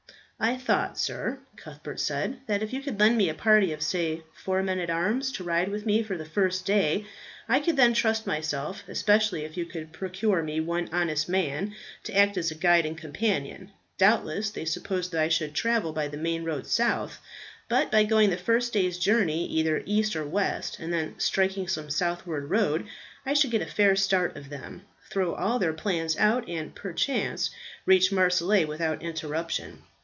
"I thought, sir," Cuthbert said, "that if you could lend me a party of say four men at arms to ride with me for the first day, I could then trust to myself, especially if you could procure me one honest man to act as guide and companion. Doubtless they suppose that I should travel by the main road south; but by going the first day's journey either east or west, and then striking some southward road, I should get a fair start of them, throw all their plans out, and perchance reach Marseilles without interruption."